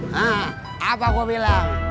hah apa gua bilang